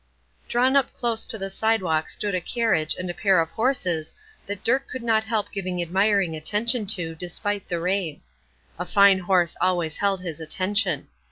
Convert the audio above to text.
Drawn up close to the sidewalk stood a carriage and a pair of horses that Dirk could not help giving admiring attention to, despite the rain. A fine horse always held his attention.